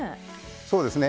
そうですね。